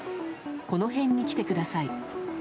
この辺に来てください。